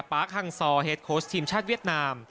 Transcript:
ปาร์คฮังซอร์เฮดโค้ชทีมชาติเวียดนาม